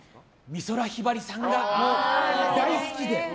美空ひばりさんが大好きで。